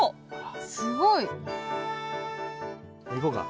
すごい。いこうか。